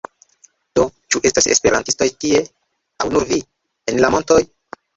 Do, ĉu estas esperantistoj tie? aŭ nur vi? en la montoj?